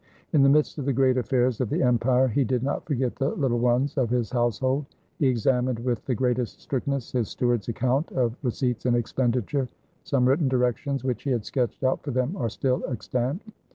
In the midst of the great affairs of the empire he did not forget the little ones of his household. He examined with the greatest strictness his steward's account of re ceipts and expenditure. Some written directions which he had sketched out for them are still extant.